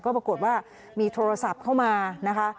ก็ปรากฏว่ามีโทรศัพท์เข้ามานะคะ